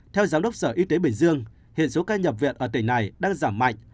theo giám đốc sở y tế bình dương hiện số ca nhập viện ở tỉnh này đang giảm mạnh